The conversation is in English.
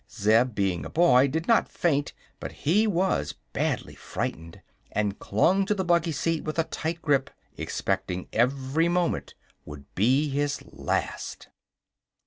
Zeb, being a boy, did not faint, but he was badly frightened, and clung to the buggy seat with a tight grip, expecting every moment would be his last.